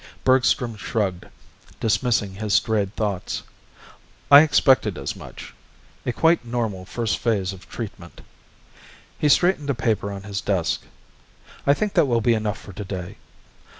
Bergstrom shrugged, dismissing his strayed thoughts. "I expected as much. A quite normal first phase of treatment." He straightened a paper on his desk. "I think that will be enough for today.